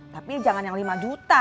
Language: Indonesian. tapi jangan yang lima juta